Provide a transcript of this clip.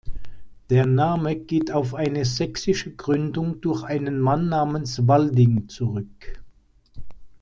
Der Name geht auf eine sächsische Gründung durch einen Mann namens Walding zurück.